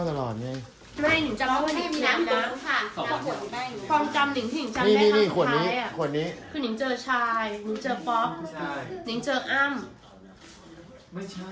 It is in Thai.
จริงแล้วบอกนึงบอกว่าพี่โน้มไปนั่งคุยอย่างนึงเมื่อคืน๒ชั่วโมง